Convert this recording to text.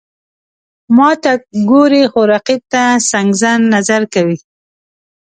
ماته ګوري، خو رقیب ته څنګزن نظر کوي.